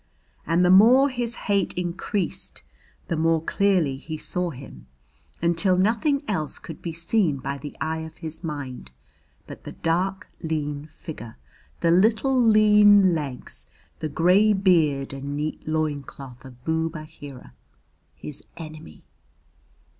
And the more his hate increased the more clearly he saw him, until nothing else could be seen by the eye of his mind but the dark lean figure, the little lean legs, the grey beard and neat loin cloth of Boob Aheera, his enemy.